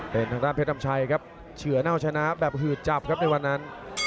เป็นทางด้านเพชรดำชัยครับเฉือเน่าชนะแบบหืดจับครับในวันนั้น